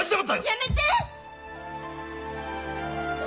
やめて！